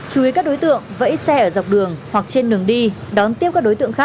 chú ý các đối tượng vẫy xe ở dọc đường hoặc trên đường đi đón tiếp các đối tượng khác